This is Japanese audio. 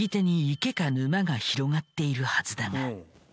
池か沼が広がっているはずだが。